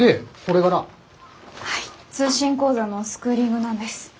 はい通信講座のスクーリングなんです。